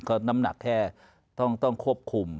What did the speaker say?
ก็น้ำหนักแค่ต้องควบคุม